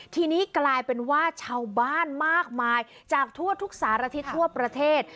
ทีนี้กลายเป็นว่าชาวบ้านมากมายจากทั่วทุกสารทิศทั่วประเทศ